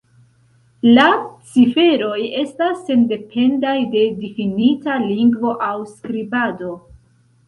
La ciferoj estas sendependaj de difinita lingvo aŭ skribado.